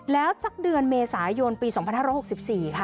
แล้วสักเดือนเมษายนปี๒๕๖๔ค่ะ